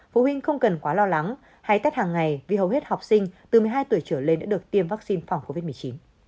phụ huynh không cần quá lo lắng hay tắt hàng ngày vì hầu hết học sinh từ một mươi hai tuổi trở lên đã được tiêm vaccine phòng covid một mươi chín